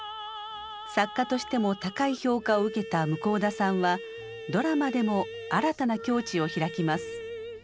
作家としても高い評価を受けた向田さんはドラマでも新たな境地を開きます。